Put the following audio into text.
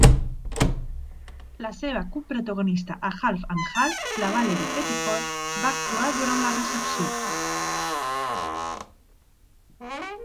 La seva coprotagonista a "Half and Half", la Valarie Pettiford, va actuar durant la recepció.